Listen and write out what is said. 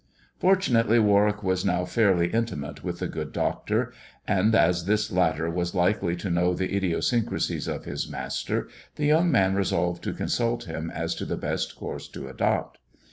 Fortunately Warwick was now fairly intimate with the good doctor, and, as this latter was likely to know the idio syncrasies of his master, the young man resolved to consult him as to the best course to adopt.